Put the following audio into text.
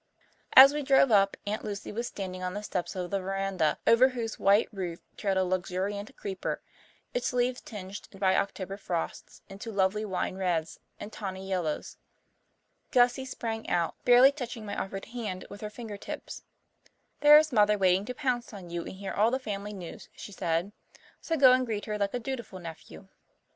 As we drove up Aunt Lucy was standing on the steps of the verandah, over whose white roof trailed a luxuriant creeper, its leaves tinged by October frosts into lovely wine reds and tawny yellows. Gussie sprang out, barely touching my offered hand with her fingertips. "There's Mother waiting to pounce on you and hear all the family news," she said, "so go and greet her like a dutiful nephew."